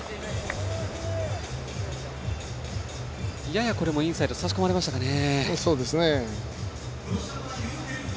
ややこれもインサイド差し込まれましたかね。